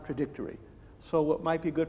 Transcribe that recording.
jadi apa yang mungkin baik